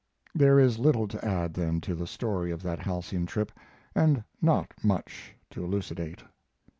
There is little to add, then, to the story of that halcyon trip, and not much to elucidate.